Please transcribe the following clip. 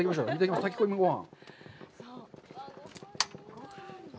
炊き込みごはん。